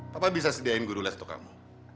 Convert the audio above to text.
bapak bisa sediain guru les untuk kamu